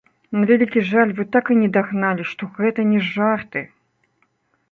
На вялікі жаль, вы так і не дагналі, што гэта не жарты!